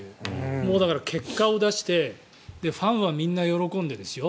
もうだから、結果を出してファンはみんな喜んでですよ